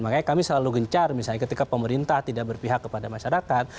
makanya kami selalu gencar misalnya ketika pemerintah tidak berpihak kepada masyarakat